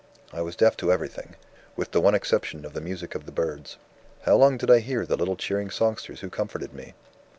I was deaf to everything with the one exception of the music of the birds. "How long did I hear the little cheering songsters who comforted me?